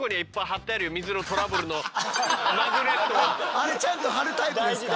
あれちゃんと貼るタイプですか？